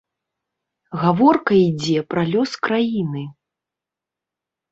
Гаворка ідзе пра лёс краіны.